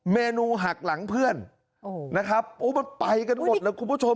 เมนูหักหลังเพื่อนนะครับโอ้มันไปกันหมดแล้วคุณผู้ชม